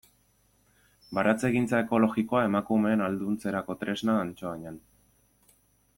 Baratzegintza ekologikoa emakumeen ahalduntzerako tresna Antsoainen.